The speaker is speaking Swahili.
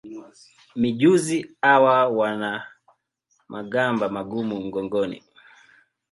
Mijusi hawa wana magamba magumu mgongoni.